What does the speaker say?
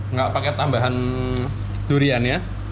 nggak pakai tambahan durian ya